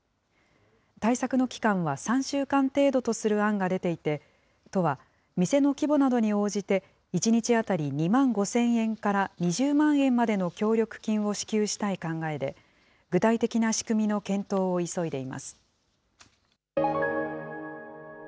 対策の期間は３週間程度とする案が出ていて、都は店の規模などに応じて、１日当たり２万５０００円から２０万円までの協力金を支給したい考えで、具体的な仕組みの検討を急いでいます。